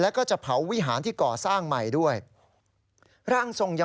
และก็จะเผาวิหารที่ก่อสร้างใหม่ด้วย